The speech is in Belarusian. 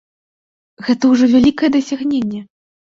Гэта ўжо вялікае дасягненне!